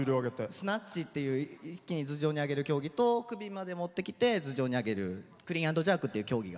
スナッチっていう一気に頭上に挙げる競技と首の上まで上げるクリーンアンドジャークという競技が。